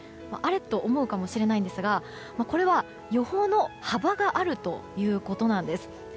あれ？と思うかもしれませんがこれは予報の幅があるということなんです。